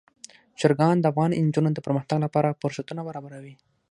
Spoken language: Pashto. چرګان د افغان نجونو د پرمختګ لپاره فرصتونه برابروي.